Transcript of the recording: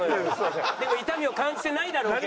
痛みを感じてないだろうけど。